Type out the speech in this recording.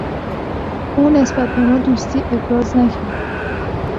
او نسبت به ما دوستی ابراز نکرد.